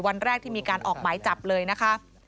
วันแรกที่มีการออกหมายจับเลยนะคะ